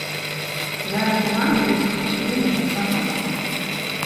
Зараз у мамы ёсць інсулін да канца года.